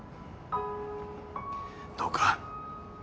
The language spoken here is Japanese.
どうか